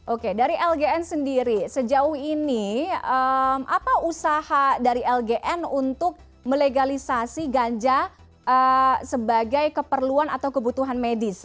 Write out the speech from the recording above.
oke dari lgn sendiri sejauh ini apa usaha dari lgn untuk melegalisasi ganja sebagai keperluan atau kebutuhan medis